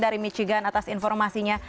dari michigan atas informasinya